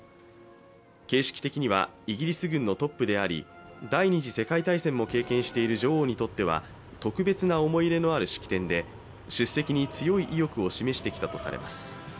形式的にはイギリス軍のトップであり第二次世界大戦も経験している女王にとっては特別な思い入れのある式典で出席に強い意欲を示してきたとされています。